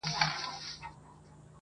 په ځنګلونو کي یې نسل ور پایمال که.!